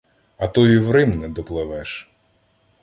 А то і в Рим не допливеш.